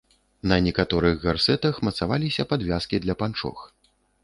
На некаторых гарсэтах мацаваліся падвязкі для панчох.